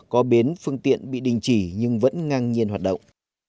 có bến phương tiện bị đình chỉ nhưng vẫn ngang nhiên hoạt động